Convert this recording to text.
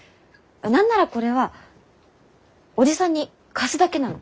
何ならこれはおじさんに貸すだけなの。